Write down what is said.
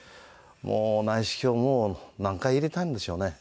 内視鏡もう何回入れたんでしょうね？